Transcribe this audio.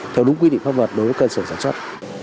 theo đúng quy định pháp luật đối với cơ sở sản xuất